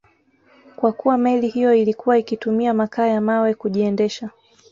Kwa kuwa meli hiyo ilikuwa ikitumia makaa ya mawe kujiendesha